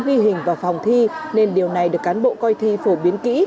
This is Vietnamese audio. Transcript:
ghi hình vào phòng thi nên điều này được cán bộ coi thi phổ biến kỹ